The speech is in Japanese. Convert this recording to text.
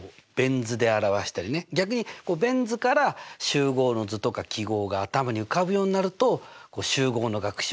逆にベン図から集合の図とか記号が頭に浮かぶようになると集合の学習もね